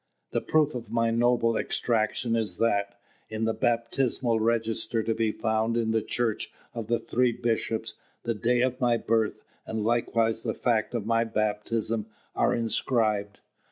The proof of my noble extraction is that, in the baptismal register to be found in the Church of the Three Bishops, the day of my birth, and likewise the fact of my baptism, are inscribed.